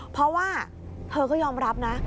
เพราะว่าเธอก็ยอมรับนะ